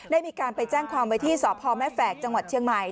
ได้มีการไปแจ้งความไว้ที่สพแม่แฝกจังหวัดเชียงใหม่